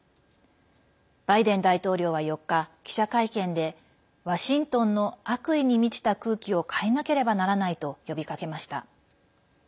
バイデン大統領は４日記者会見でワシントンの悪意に満ちた空気を変えなければならないと呼びかけました。